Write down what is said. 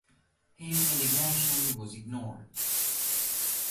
His indignation was ignored.